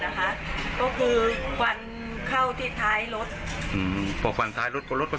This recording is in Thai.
แต่ถ้าไม่มีเหตุไล่ฟันเนี่ย